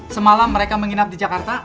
semalam mereka menginap di jakarta